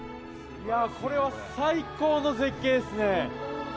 これは最高の絶景ですね。